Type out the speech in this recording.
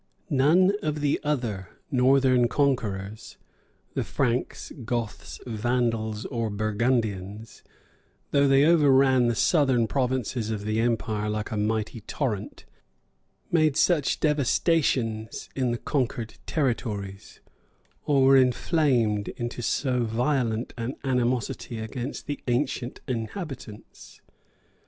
[* Gildas, Sede, lib, i.] None of the other northern conquerors, the Franks, Goths, Vandals, or Burgundians, though they overran the southern provinces of the empire like a mighty torrent, made such devastations in the conquered territories, or were inflamed into so violent an animosity against the ancient inhabitants.